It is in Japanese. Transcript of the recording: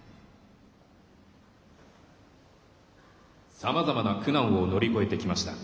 さまざまな苦難を乗り越えてきました。